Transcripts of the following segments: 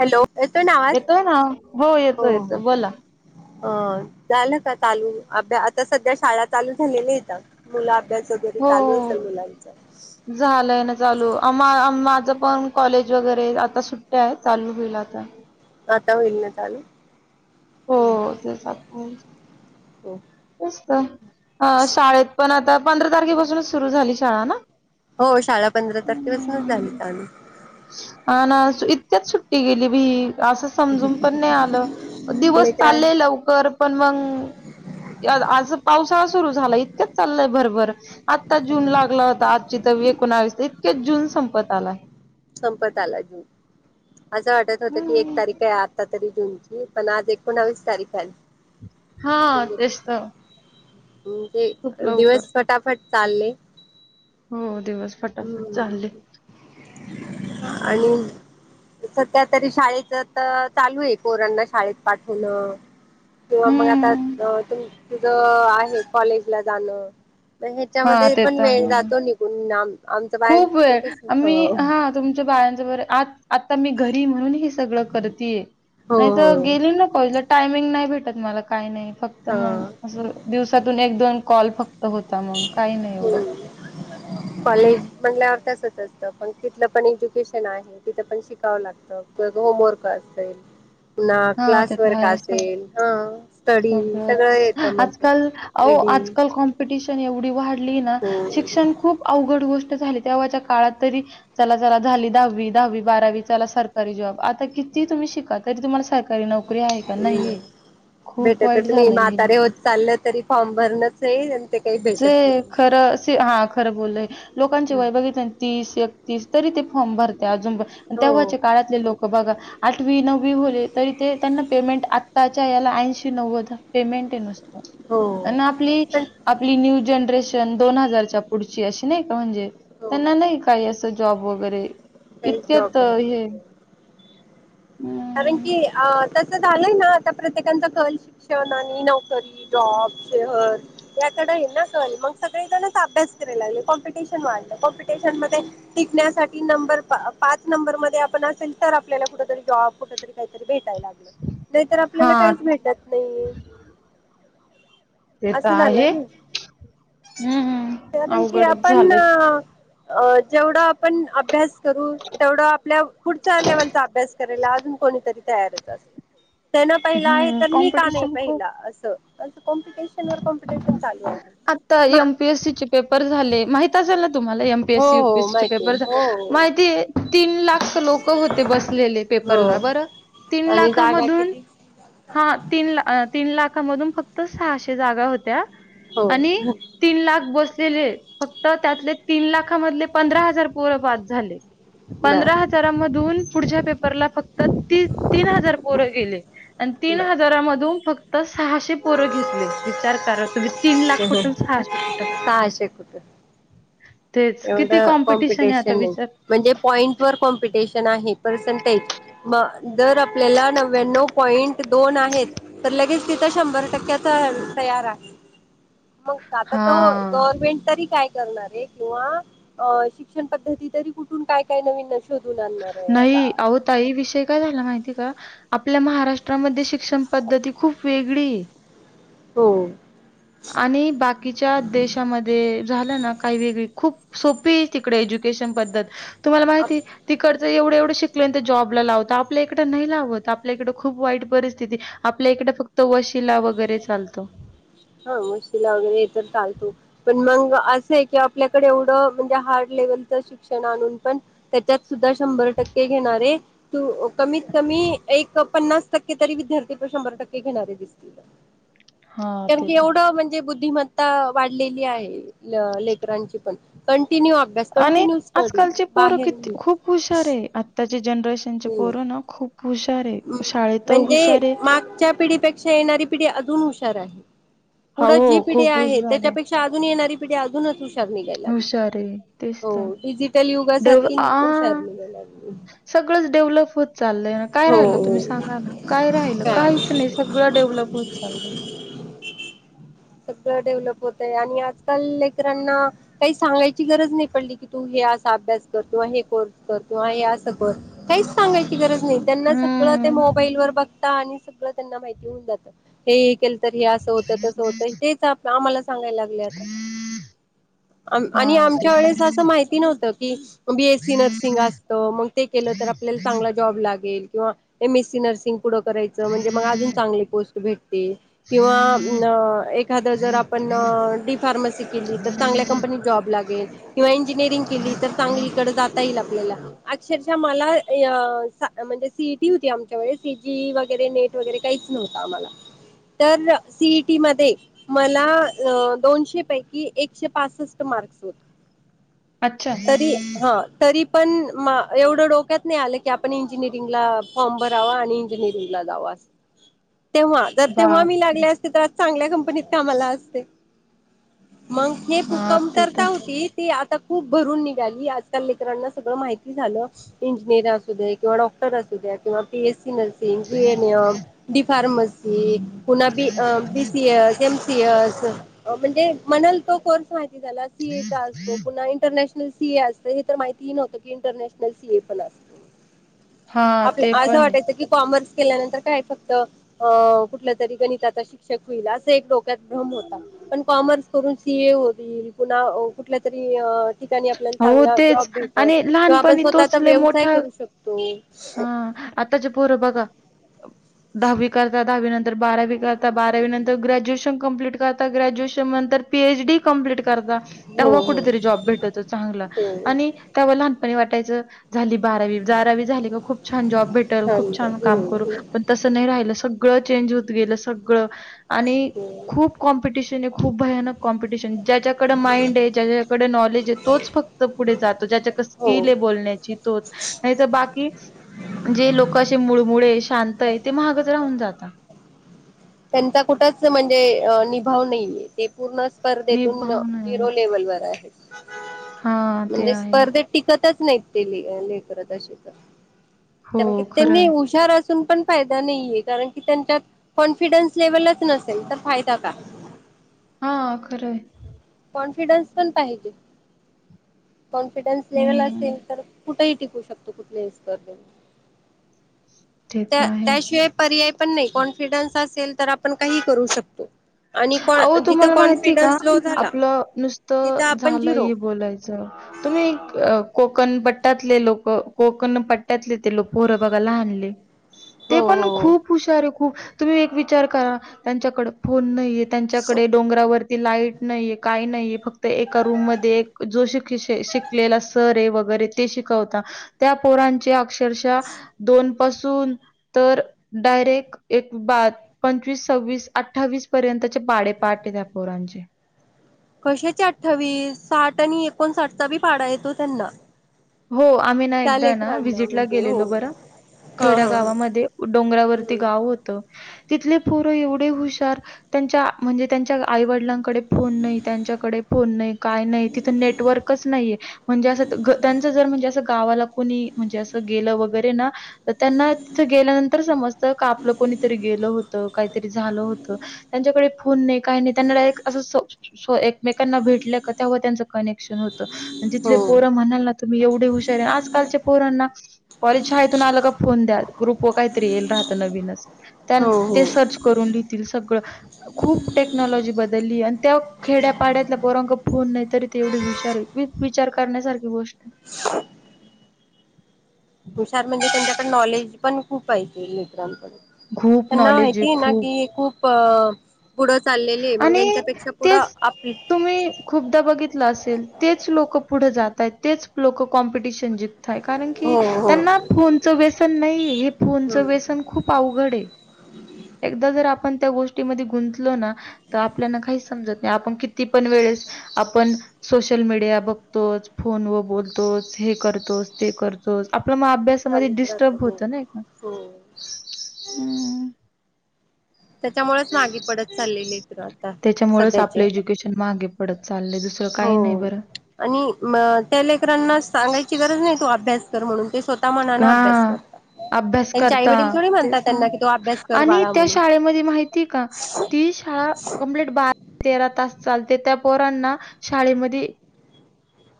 Hello येतोयना आवाज येतोय ना हो येतो हो येतो बोला अ झालं का चालू अभ्या आता सध्या शाळा चालू झालेली इथं मु हो झालंय ना चालू आम्हा आज पण कॉलेज वगैरे आता सुट्ट्या आहेत चालू होईल आता आता होईल ना चालू हो तेच हो त अ शाळेत पण आता पंधरा तारखेपासूनच सुरू झाली शाळा ना हो शाळा पंधरा तारखेपासूनच झाली ह ना इतक्यात सुट्टी गेली बी असं समजून पण नाही आलं दिवस लेकरां चालले लवकर पण मग आज पाऊसाळा सुरू झालं इतकंच चाललंय भरभर आत्ता जून लागला होता आजची तर एकोणावीस क्यात जून संपत आलाय. संपत आलाय हो असं वाटत होतं की एक तारीख हं. काय आता तरी दोन पण आज एकोणवीस तारख आली. हा म्हणजे तेच तर. खूप म्हणजे लवकर. दिवस फटाफट चालले. हो दिवस फटाफट चालले. हम्म आणि सध्या तरी शाळेच तर चालू आहे पोरांना शाळेत पाठवणं. किंवा मग आताु हं. अ तू तुझ आहे कॉलेज ला जाणं. मग हां, ह्याच्यामध्ये ते पण तर मेळ आहे. जातो निघून नाम खूप वेळ आम्ही हा तुमच्या बायांच बरय आत आता मी घरी म्हणून हे सगळं करतेय हो नाहीतर हो गेली ना कॉलेजला टायमिंग नाही भेट त मला काही नाही फक्त मग हा अस दिवसातून एक दोन कॉल फक्त त होता मग काही नाही एवढं. कॉलेज म्हटल्यावर तसच असत पण तिथलं पण एज्युकेशन आहे तिथं पण शिकावं लागतं परत होमवर्क आ असेल. ना हां, ते क्लास तर वर्क आहेच. असेल ह स्टडी सगळं सगळंच. येत मध्ये आजकाल अहो, रेडी आजकाल कॉम्पिटिशन एवढी वाढली ना हो शिक्षण खूप अवघड गोष्ट झाली तेव्हाच्या काळात तरी चला जरा झाली दहावी दहावी बारावी चला सरकारी जॉब आता किती तुम म्ही शिका तरी तुम्हाला सरकारी नोकरी आहे का नाहीए. भेटतच नाही म्हातारे होत चाललेत तरी फॉर्म भरणच ए आ चे खर सि हा खरं बोलय लोकांची हं. वय बघितलय तीस एक तीस तरी ते फॉर्म भरताय अजून हो, तेव्हाचे काळातले लोक बघा आठवी नव वी वाले तरी ते त्यांना पेमेंट आताच्या याला ऐन्शी नव्वद पेमेंट ए नुसतं, हो. त्यांना आपली पण आपली न्यू जनरेशन दोन हजारच्या पुढची अशी नाई का म्हणजे हो, त्यांना नाही काही अस जॉब वगैरे तेच इतक्यात जॉब वगैरे हे नको. कारण हम्म. की अ तस झालंय ना आता प्रत्येकच कल शिक्षण आणि नोकरी जॉब. शहर या कडे आहे ना कल मगं सगळे जण अभ्यास कराय लागले कॉम्पिटिशन वाढलय कॉम्पि टिशन टिकण्यासाठी नंबर पा पाच नंबर मध्ये आपण असेल तर आपल्याला कुठ तरी जॉब कुठ तरी काहीतरी भेटायला लागलं नाहीतर आपल्याला हा काहीच भेटत नाही. ते तर असं झालं आहे. ना हम्म कारण कि अवघडच आपण झालंय. अ जेवढा आपण अभ्यास करू तेवढा आपल्या पुढच्या लेवलचा अभ्यास करायला कोणीतरी तरी तयारच असतो त्यान पहिला आहे हम्म तर मी का नाही कॉम्पिटिशन खूप पहिला अस. आता मा एम पी एस सीचे पेपर झाले माहित असेल तुम्हाला हो एमपीएससी हो यपीएसीचे माहिती पेपर झा हो माहितीए तीन लाख लोक होते बसलेले पे हो पेपर ला बरं तीन आणि लाखा जागा मधून किती हा तीन ला तीन लाख खामधून फक्त सहाशे जागा होत्या हो आणि तीन लाख बसलेले. फक्त त्यातले तीन लाखामधले पंधरा हजार पोरं पास झाले. बर पंधरा हजारामधून पुढच्या पेपरला फक्त ती तीन हजार पोरं गेले. आणि तीन बर हजारामधून फक्त सहाशे पोरं घेत ले विचार करा तुम्ही तीन लाख कुठ सहाशे कुठं. सहाशे कुठे तेच किती एवढं आहे आता कॉम्पिटिशन ए विचार म्हणजे पॉइंट वर कॉम्पिटिशन आहे. पर्सनटेज म जर आपल्याला नव्याव पॉईंट दोन आहेत तर लगेच तित शंभर टक्क्याचा तयार आहे. मगं आता तो हा गव्हर्मेंट तरी काय करणार ए. किंवा अ शिक्षण पद्धती तरी कुठून काय काय नवीनच नाही आहो ताई विषय काय झाला माहिती का आपल्या महाराष्ट्रामध्ये शिक क्षण पद्धती खूप वेगळी हाय हो. आणि बाकीच्या देशामध्ये झालं ना काय वेगळी खूप सोपी हे तिकडे एज्युकेशन पद्धत तुम्हाला हो माहिती हे तिकड ज एवढं एवढं शिकल्या नतंर जॉबला लावता आपल्या इकडं नाही लावत आपल्या इकड खूप वाईट परिस्थिती आपल्या इक डे फक्त वशिला वगैरे चालतो. हा मशीला वगैरे तर चालतो पण मंग असं हे की आपल्याकडे एवढं म्हणजे हार्ड लेवल च शिक्षण आणून पण त्याच्यात सुद्धा शंभर टक्के घेणारे तू अ कमीत कमी एक पन्नास टक्के तरी विद्यार्थी प शंभर टक्के घेणारे दिसतील. [unintelligible] हां, काण ते की तर आहे. एवढं म्हणजे बुद्धिमत्ता वाढलेली आहे ल लेकरांची पण कण टीन्यु अभ्यास आणि कंटिन्यू स्टडी आजकालची बाहेर जनरेशनचे हो पोरं ना खूप हुशार हे शाळेत हुशार हे शा येणारी पिढी अजून हुशार हाय. पुढं जी हो, पिढी खूप आहे हुशार त्याच्यापेक्षा अजून येणारी पिढी अजूनच हुश शार निघायलाग हुशार आहे. तेच तर. हो डिजिटल डेव्ह युगासारखी न हुशार आ निघायलाग सगळंच डेव्हलप होत चाललंय ना काय राहिलं तुम्ही हो सांगा ना काय राहिल का काहीच नाही सगळं डेव्हलप होत चाललंय. [unintelligible] सगळं डेव्हलप होतय आणि आजकाल लेकरांना काई सांगायची गरज नही पडली की तु हे आस अभ्यास कर तू आ हे कोर्स कर किंवा हे असं कर काहीच सांगायची गरज नही. त्यांना सगळं ते हं. मोबाईल वर बघता आणि सगळं त्यांना माहिती होऊन जात हे केल तर हे असं होतं तसं होतं तेच आप आम्हाला सांगायल लागले आता आम आणि हां, ते आमच्या तर वेळेस आहे. असं माहिती नव्हत की बी एस सी नर्सिंग असतं मंग ते केलं तर आपल्याला चांगला जॉब लागेल किंवा एम एस सी नर्सिंग पुढं करायचं म्हणजे म अजून चांगली पोस्ट भेट टेल किंवा न एखाद जर आपण अ डी फार्मसी केली तर चांगल्या कंप उ जॉब लागेल. किंवा इंजिनिअरिंग केली तर चांगली कड जाता यिल आपल्याला अक्षरशः मला इ य अ था म्हणजे सी ई टी होती आमच्या वेळेस व सीटी वगैरे नेट वगैरे काहीच नव्हतं आम्हाला तर अ सीईटी मधे मला अ दोनशे पैकी एकशे पासष्ट म अच्छा. तरी हा तरी पण मा एवढं डोक्यात नाही आलं की आपण इंजिनिअरिंगला फॉर्म भरावा आणि इंजिनिअरिंग ला जाव आस [inaudible] तेव्हा जर तेव्हा मी बापरे! लागले असते त आज चांगल्या कंपनीत कामाला असते. मंग हे फु हां, ते तर कमतरता होती ती आत खूप भरून निघाली आजकाल लेकरांना सगळं माहिती झालं इंजिनियर असू दे किंवा डॉक्टर असू द्या या किंवा P S C nursing हे अन् य डी फार्मसी पुन्हा बी अ B C S, M C S अ म्हणजे म्हणाल तो कोर्स माहिती झाला सी ए चा असतो, इंरनॅशनल सी ए असत हे तर माहितीही नवतं की इंटरनॅशनल सी ए पण असतं. हां, आपल्या ते आसं पण आहे. वाटायचं की कॉमर्स केल्यानंतर काय फक्त अ कुठल्यातरी गणिताचा शिक्षक होईल आस ते एक डोक्यात भ्रम होता पण कॉमर्स करून सी ए होईल पुन्हा अ कुठल्यातरी अ ठिकाणी आपल्याला हो, चांगला तेच जॉब भेटल आणि किंवा आपण लहानपणी स्वतःचा व्यवसाय करू शकतो. हा आताचे पोरं बघा अब दहावी करता दहावी नंतर बारावी करता बारावी नंतर ग्रॅज्युएशन कंप्लीट करता ग्रॅज्युएशन मंतर पी एच डी कंप्लीट करता हो त्यामुळं हो कुठतरी जॉब भेटतो चांगला हो आणि त्यामुळे लहानपनी वाट टायचं झाली बारावी जारावी झा खूप छान जॉब भेटल खूप छान काम करू पण तसं नाही राहिलं सग गळं चेंज होत गेलं सगळ आणि हम्म खूप कॉम्पिटिशन हे खूप भयानक कॉम्पिटिशन ज्याच्याकड माइंड हे ज्याच्या कड नॉलेज हे तोच फक्त पुढे जातो ज्याच्याक हो. स्किल हे बोलण्याची तच नाही तरर बाकी जे लोके मुळमुळे शांत आहे ते महागच राहून जातात. त्यांचा कुठच म्हणजे निभाव नाहीये ते पूर्ण स्पर्धेतून निभाव नाही. झिरो लेव्हल वर आहेत. हां, ते म्हणजे आहे. स्पर्धेत टिकतच नाहीत. ते ले लेकरं तशीच असता. हो, कारण की खरं त्यांनी आहे. हुशार अस असून पण फायदा नाहीये कारण की त्यांच्यात कॉन्फि कॉन्फिडन्स लेवलच नसेल तर फायदा काय? हा खरं आहे. कॉन्फिडन्स पण पाहिजे कॉन्फिडन्स लेवल हं, असेल तर कुठिक टिकू शकतो कुठल्याही स्पर्धेत. ते तर आहे. त्याशिवाय पर्याय पण नाही कॉन्फिडन्स असेल तर आपण काही करू शकतो. आणि जिथं कॉन्फिडन्स लो झाला त नुसत तिथं आपण झालं झिरो हे बोलायचं तुम्ही कोकणपट्ट्यातले लोक कोकण पट्टाततले ते लोक पोहरं बघाला आणले. ते हो पण हो खूप हुशार आहे खूप तुम्ही एक विचार करा त्यांच्याकडे फोन नाही त्यांच्याकडे डोंगरावर ती लाईट नाहीये काही नाहीये फक्त एका रूम मध्ये एक जो श शिकलेला सर आहे वगैर ते शिकवता त्या पोरांची अक्षरशा दोन पासून तर डायरेक्ट एक ब पंचवीस, सव्वीस, अठ्ठावीस पर्यंतचे पाडे पाठ आहेत या पोरांचे. कशाचे अठ्ठावीस साठ आणि एकोणसाठचा बी पाडा येतो त्यांना. हो आम्ही ना त्या एकदा ना लेकरांना व्हिजिट ला म्हणजे हो गेलेलो बरं. हा खेड्या हा गावामध्ये डोंगरावरती ह गाव होतं. तिथले पोरं एवढे हुशार त्यांच्या म्हणजे त्यांच्या आईवडिलां कडे फोन नाही त्यांच्याकडे फोन का नाही तिथं नेटवर्कच नाहीे म्हणजे असं. त्यांचं जर म्हणजे असं गावाला कुणी म्हणजे असं गेलं वगैरे ना. तर त्यांना तिथं गेल्यानंतर समजत का आपलं कोणीतरी गेलं होतं काहीतरी झालं होतं. त्यांच्याकडे फोन नाही का नाही त्यांना डायरेक्ट अस. एकमेकांना भेटल्या का तेव्हा त्यांचं कनेक्शन होतं आणि तिथले हो पोर म्हणाल ना. एवढ हुशार आहे आणि आजकालच्या पोरांना कॉलेज, शाळेतून आलं का? फोन द्या ग्रुप वर काहीतरी येईल राहतं नवीनच त्या हो हो ते सर्च करून लिहतील सगळं. खूप टेक्नॉलॉजी बदलली आणि त्या खेड्यापाड्यातला पोरांक फोन नाही तरी ते एवढे हुशार है. विचार करण्यासारखी गोष्ट आहे हुशार म्हणजे त्यांच्याकडे नॉलेज पण खूप पाहिजे मित्रांकडनं. खूप त्यांना नॉलेज आहे माहितीय ना खूप की खूप अ. चाललेली आहे मग आणि यांच्यपेक्षा पुढं तेच - तुम्ही खूपदा बघितलं असेल तेच लोक पुढे जातय तेच लोक कॉम्पिटिशन जिंकताय कारण की हो हो त्यांना फोनचं व्यसन नाहीे हे हम्म फोनचं व्यसन खूप अवघड आहे. एकदा जर आपण त्या गोष्टीमध्ये गुंतलो ना तर आपल्याला काही समजत नाही आपण किती पण वेळ. आपण सोशल मीडिया बघतोच फोन व बोलतोच हे करतोच ते करो आप मग अभ्यासामध्ये चालूच राहत डिस्टर्ब हो होत नाही का. हो त्याच्यामुळेच मागे पडत चालले लेकरं आता त्याच्यामुळेच सध्याचे. आपलं एज्युकेशन मागे पडत चाललंय दुसरं हो, काही नाही बरं आणि म त्या लेकरांना सांगायच. गरज नाही तू अभ्यास कर म्हणुन ते स्वतः मनाने अभ्यास हा करतात, अभ्यास त्यांच्या आई करता वडील थोडी म्हणतात त्यांना कि तू अभ्यास कर बाळा म्हणून. मध्ये माहिती का ती शाळा कंप्लीट तेरा तास चालते त्या पोरांना शाळेमध्ये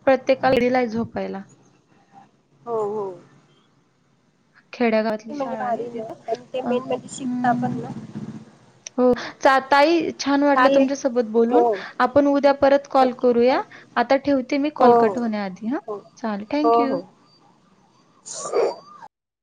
प्रत्येका [unintelligible] झोपायला. हो हो. खेड्यागावातली किती म्हणजे शाळा आहे भारी ना तिथं आणि ते अ मेन म्हणजे शिकता पण हम् ना हो. जाताई. छान वाटलं चालेल तुमच्यासोबत हो बोलून आपण उद्या परत कॉल ओके करूया थँक्यू आता ठेवते मी हो कॉल क हो होण्याआधी हा हो चालेल हो थँक यू. हो [inaudible]